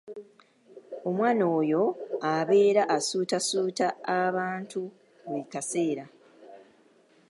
Omwana oyo abeera asuutasuuta abantu buli kaseera.